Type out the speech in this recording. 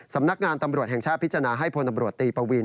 สำนักงานตำรวจแห่งชาติพิจารณาให้พลตำรวจตีปวิน